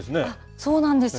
そうなんですよ。